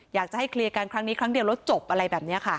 อยากจะให้เคลียร์กันครั้งนี้ครั้งเดียวแล้วจบอะไรแบบนี้ค่ะ